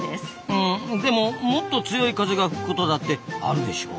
うんでももっと強い風が吹くことだってあるでしょ？